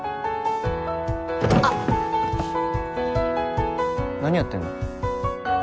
あっ何やってんの？